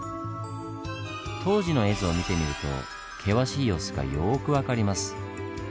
当時の絵図を見てみると険しい様子がよく分かります。